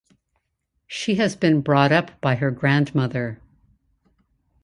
She has been brought up by her grandmother.